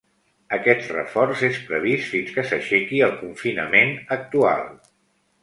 Aquest reforç és previst fins que s’aixequi el confinament actual.